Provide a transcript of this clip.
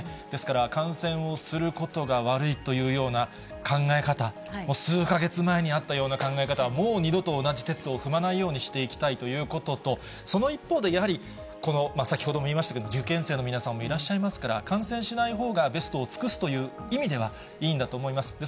ですから感染をすることが悪いというような考え方、数か月前にあったような考え方はもう二度と同じてつを踏まないようにしていきたいということと、その一方でやはり、先ほども言いましたけれども、受験生の皆さんもいらっしゃいますから、感染しないほうがベストを尽くすという意味では、いいんだと思います。